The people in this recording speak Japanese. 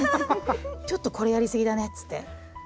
ちょっとこれやりすぎだねっつって。